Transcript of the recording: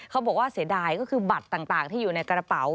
เขาบอกว่าเสียดายก็คือบัตรต่างที่อยู่ในกระเป๋า